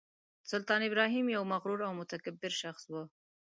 سلطان ابراهیم یو مغرور او متکبر شخص و.